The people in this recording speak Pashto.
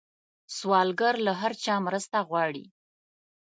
سوالګر له هر چا مرسته غواړي